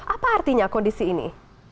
apa artinya kondisi ini